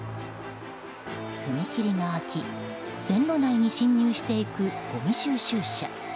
踏切が空き線路内に進入していくごみ収集車。